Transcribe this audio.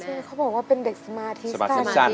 ใช่เขาบอกว่าเป็นเด็กสมาธิสมาธิ